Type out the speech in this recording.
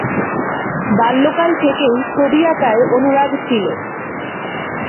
বাল্যকাল থেকেই ছবি আঁকায় অনুরাগ ছিল।